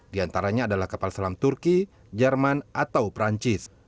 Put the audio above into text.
di antaranya adalah kapal selam turki jerman atau perancis